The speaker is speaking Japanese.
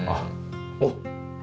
おっ！